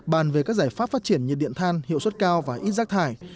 bàn về các giải pháp phát triển nhiệt điện than hiệu suất cao và ít rác thải